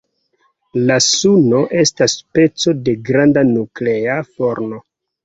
La Suno estas speco de granda nuklea forno.